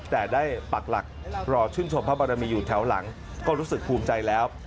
แต่ได้ปักหลักรอชื่นชมพระบรมีอยู่แถวหลังก็รู้สึกภูมิใจแล้ว